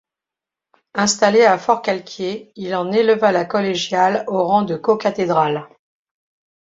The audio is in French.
Installé à Forcalquier, il en éleva la collégiale au rang de co-cathédrale.